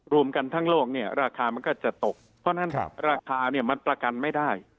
รวมกันทั้งโลกเนี่ยราคามันก็จะตกเพราะฉะนั้นราคาเนี่ยมันประกันไม่ได้